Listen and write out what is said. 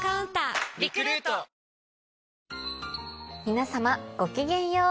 皆様ごきげんよう。